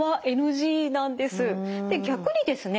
逆にですね